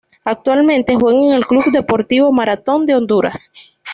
Actualmente juega en el Club Deportivo Marathón de Honduras.